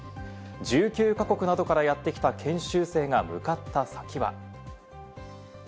１９か国などからやってきた研修生が向かった先は。